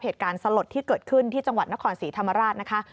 เหตุการณ์สลดที่เกิดขึ้นที่จังหวัดนครศรีธรรมราชนะคะ